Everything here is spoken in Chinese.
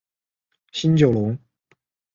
新九龙。